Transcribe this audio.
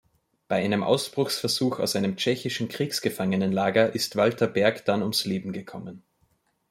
Bei einem Ausbruchsversuch aus einem tschechischen Kriegsgefangenenlager ist Walter Berg dann ums Leben gekommen.